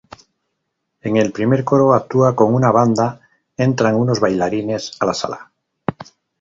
En el primer coro actúa con una banda, entran unos bailarines a la sala.